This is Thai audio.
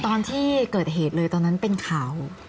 ตอนที่เกิดเหตุเลยตอนนั้นเป็นข่าว